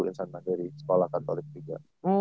insan mandiri sekolah katolik juga